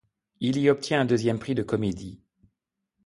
Il y obtient un deuxième prix de comédie.